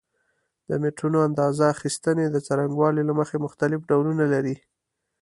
د میټرونو اندازه اخیستنې د څرنګوالي له مخې مختلف ډولونه لري.